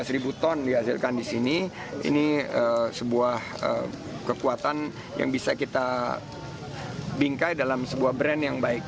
lima belas ribu ton dihasilkan di sini ini sebuah kekuatan yang bisa kita bingkai dalam sebuah brand yang baik